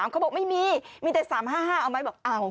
เขาบอกไม่มีมีแต่๓๕๕เอาไหมบอกเอา